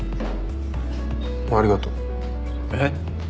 ありがとう。えっ！？